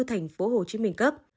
thành phố hồ chí minh cấp